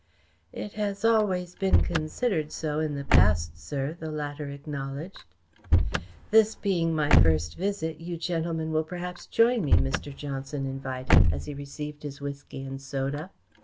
"It has always been considered so in the past, sir," the latter acknowledged. "This being my first visit, you gentlemen will perhaps join me," Mr. Johnson invited, as he received his whisky and soda.